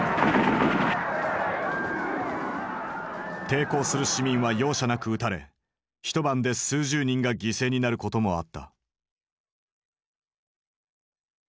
抵抗する市民は容赦なく撃たれ一晩で数十人が犠牲になることもあった。